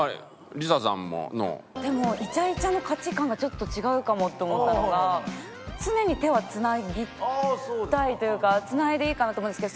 理紗さんもＮＯ？でもイチャイチャの価値観がちょっと違うかもって思ったのが常に手はつなぎたいというかつないでいいかなと思うんですけど。